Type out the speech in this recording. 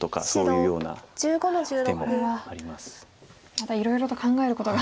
またいろいろと考えることが。